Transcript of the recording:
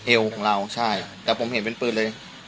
เอวของเราใช่แต่ผมเห็นเป็นปืนเลย